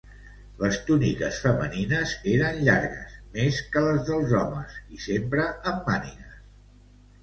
Les túniques femenines eren llargues, més que les dels homes, i sempre amb mànigues.